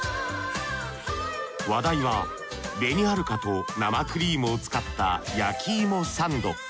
話題は紅はるかと生クリームを使った焼き芋サンド。